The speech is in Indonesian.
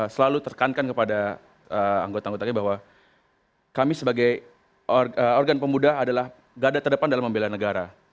selalu terkankan kepada anggota anggota kami bahwa kami sebagai organ pemuda adalah gada terdepan dalam membela negara